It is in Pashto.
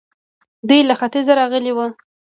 دوی له ختيځه راغلي وو